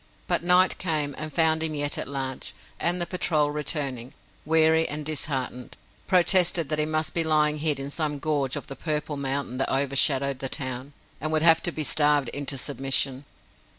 But night came and found him yet at large, and the patrol returning, weary and disheartened, protested that he must be lying hid in some gorge of the purple mountain that overshadowed the town, and would have to be starved into submission.